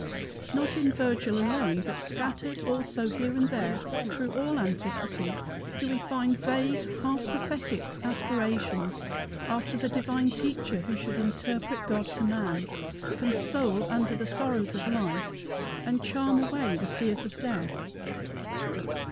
Not in Virgil alone, but scattered also here and there through all antiquity, do we find vague, half prophetic aspirations after the divine Teacher who should interpret God to man, console under the sorrows of life, and charm away the fears of death.